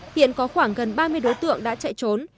hiện có khoảng gần ba mươi đối tượng đã chạy trốn